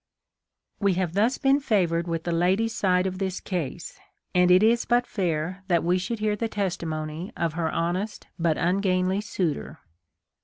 We have thus been favored with the lady's side of this case, and it is but fair that we should hear THE LIFE OF LINCOLN. 151 the testimony of her honest but ungainly, suitor.